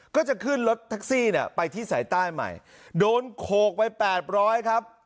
ก็จะขึ้นรถแท็กซี่เนี่ยไปที่สายใต้ใหม่โดนโขกไปแปดร้อยครับ